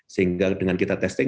sehingga dengan kita testing